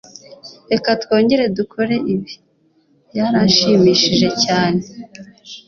Reka twongere dukore ibi. Byarashimishije cyane.